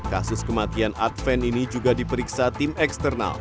kasus kematian adven ini juga diperiksa tim eksternal